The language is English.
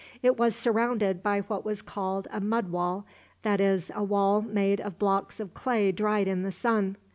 It was surrounded by what was called a mud wall that is, a wall made of blocks of clay dried in the sun.